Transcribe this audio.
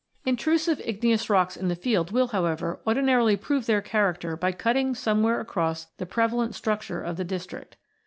Intrusive igneous rocks in the field will, however, ordinarily prove their character by cutting somewhere across the prevalent structure of the district.